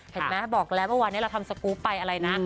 เห็นไหมบอกแล้วเมื่อวานนี้เราทำสกรูปไปอะไรนะ